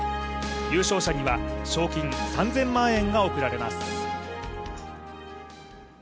優勝者には賞金３０００万円が贈られます。